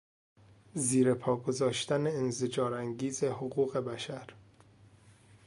زیر پا گذاشتن انزجار انگیز حقوق بشر